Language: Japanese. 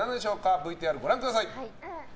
ＶＴＲご覧ください。